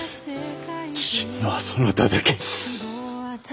父にはそなただけ。